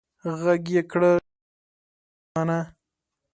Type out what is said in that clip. غیږ یې کړه ډکه له شنه اسمانه